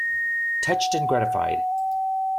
Touched and gratified.